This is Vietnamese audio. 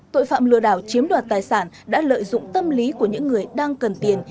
tội phạm lừa đảo chiếm đoạt tài sản đã lợi dụng tâm lý của những người đang cần tiền